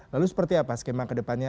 lalu seperti apa skema kedepannya